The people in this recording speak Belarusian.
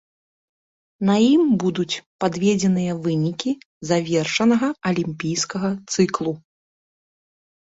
На ім будуць падведзеныя вынікі завершанага алімпійскага цыклу.